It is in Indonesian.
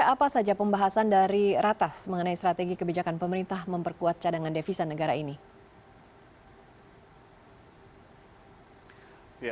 apa saja pembahasan dari ratas mengenai strategi kebijakan pemerintah memperkuat cadangan devisa negara ini